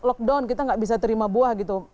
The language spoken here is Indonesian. lockdown kita nggak bisa terima buah gitu